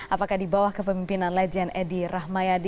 apakah di bawah kepemimpinan legend edi rahmayadi